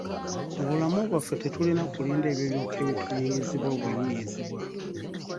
Mu bulamu bwaffe tetulina kulinda ebyo byokka ebituyiiyizibwa obuyiiyizibwa.